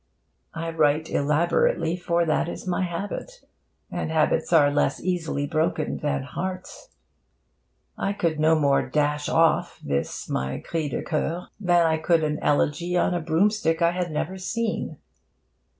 I write elaborately, for that is my habit, and habits are less easily broken than hearts. I could no more 'dash off' this my cri de coeur than I could an elegy on a broomstick I had never seen.